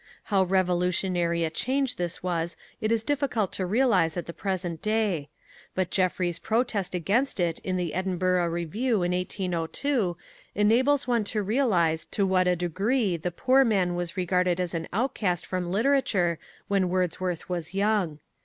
How revolutionary a change this was it is difficult to realize at the present day, but Jeffrey's protest against it in the Edinburgh Review in 1802 enables one to realize to what a degree the poor man was regarded as an outcast from literature when Wordsworth was young.